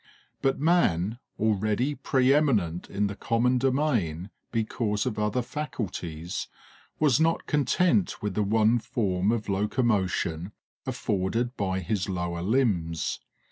But man, already pre eminent in the common domain because of other faculties, was not content with the one form of locomotion afforded by his lower limbs.